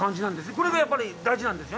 これがやっぱり大事なんですよね？